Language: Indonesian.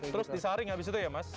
terus disaring habis itu ya mas